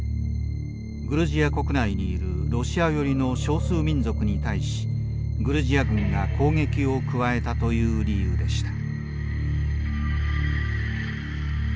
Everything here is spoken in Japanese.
グルジア国内にいるロシア寄りの少数民族に対しグルジア軍が攻撃を加えたという理由でした。